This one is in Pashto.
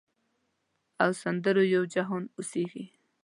او سندرو یو جهان اوسیږې